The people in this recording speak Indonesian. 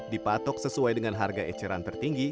dipatok sesuai dengan harga eceran tertinggi